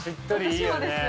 私もです。